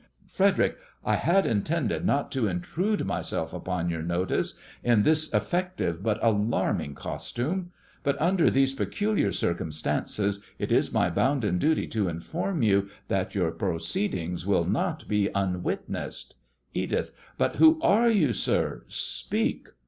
FREDERIC: I had intended Not to intrude myself upon your notice In this effective but alarming costume; But under these peculiar circumstances, It is my bounden duty to inform you That your proceedings will not be unwitnessed! EDITH: But who are you, sir? Speak!